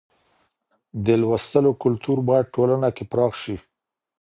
د لوستلو کلتور بايد ټولنه کې پراخ شي.